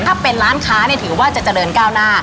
ถ้าเป็นร้านค้าถือว่าจะเจริญก้าวหน้า